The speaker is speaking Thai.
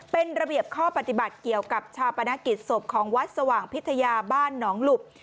เป็นระเบียบข้อปฏิบัติเกี่ยวกับชาปนกิจศพของวัดสว่างพิทยาบ้านหนองหลุบ